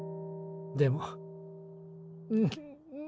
でもうう。